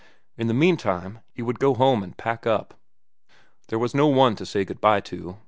In the meantime he would go home and pack up. There was no one to say good by to.